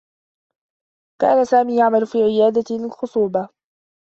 كان سامي يعمل في عيادة للخصوبة.